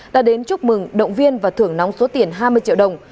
đã đến chúc mừng động viên và thưởng nóng số tiền hai mươi triệu đồng